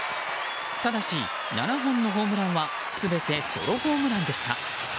ただし、７本のホームランは全てソロホームランでした。